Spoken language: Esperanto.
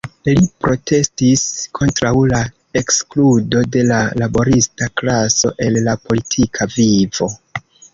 Li protestis kontraŭ la ekskludo de la laborista klaso el la politika vivo.